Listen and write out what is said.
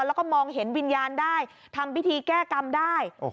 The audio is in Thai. แล้วก็มองเห็นวิญญาณได้ทำพิธีแก้กรรมได้